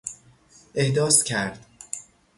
احداث کرد